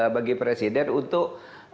bagi presiden untuk